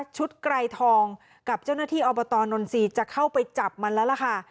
ไกรทองกับเจ้าหน้าที่อบตนนทรีย์จะเข้าไปจับมันแล้วล่ะค่ะ